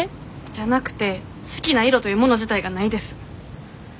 じゃなくて好きな色というもの自体がないです。